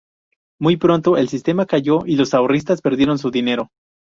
Muy pronto el sistema cayó y los ahorristas perdieron su dinero.